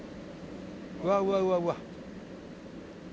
うわうわうわうわ。